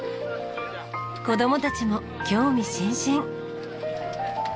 子供たちも興味津々。